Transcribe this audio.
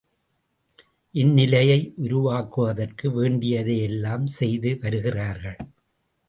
இந்நிலையை உருவாக்குவதற்கு வேண்டியதை யெல்லாம் செய்து வருகிறார்கள்.